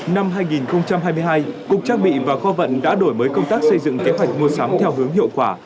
năm hai nghìn hai mươi hai cục trang bị và kho vận đã đổi mới công tác xây dựng kế hoạch mua sắm theo hướng hiệu quả